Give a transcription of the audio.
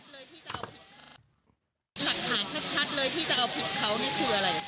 หลักฐานชัดเลยที่จะเอาผิดเขานี่คืออะไร